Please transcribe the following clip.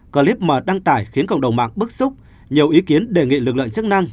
clip mà đăng tải khiến cộng đồng mạng bức xúc nhiều ý kiến đề nghị lực lượng chức năng